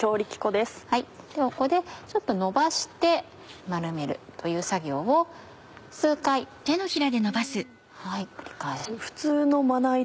ここでちょっとのばして丸めるという作業を数回繰り返してください。